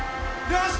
よし。